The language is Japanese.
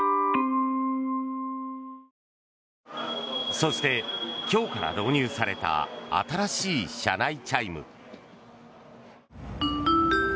そして、今日から導入された新しい車内チャイム。